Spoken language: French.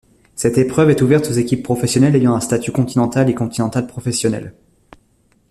Cette épreuve est ouverte aux équipes professionnelles ayant un statut continental et continental professionnel.